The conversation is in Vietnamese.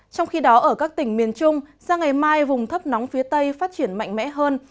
trong khi đó ở các tỉnh miền trung sang ngày mai vùng thấp nóng phía tây phát triển mạnh mẽ hơn